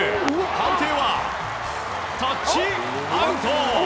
判定はタッチアウト！